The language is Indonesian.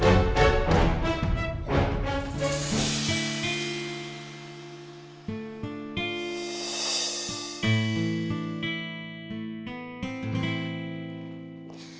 ya allah sintia